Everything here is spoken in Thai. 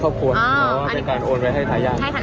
กับก่อนหรือหลังการเลือกตั้งแล้ว